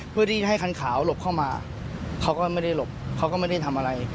เพื่อที่ให้คันขาวหลบเข้ามาเขาก็ไม่ได้หลบเขาก็ไม่ได้ทำอะไร